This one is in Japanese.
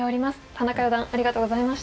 田中四段ありがとうございました。